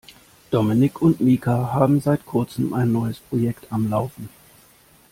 Dominik und Mika haben seit kurzem ein neues Projekt am Laufen.